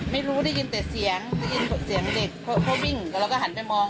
ไม่รู้ได้ยินแต่เสียงได้ยินเสียงเด็กเขาวิ่งแล้วเราก็หันไปมอง